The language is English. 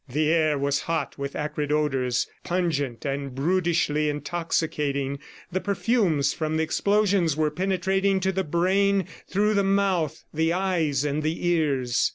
The air was hot with acrid odors, pungent and brutishly intoxicating. The perfumes from the explosions were penetrating to the brain through the mouth, the eyes and the ears.